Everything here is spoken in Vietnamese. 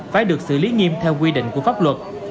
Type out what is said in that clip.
phải được xử lý nghiêm theo quy định của pháp luật